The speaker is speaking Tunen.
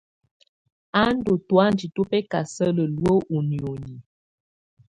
Á ndù tɔ̀ánjɛ tu bɛkasala luǝ́ ú nioni.